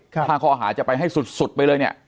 ถ้าข้อหาจะไปให้สุดไปเลยเนี่ย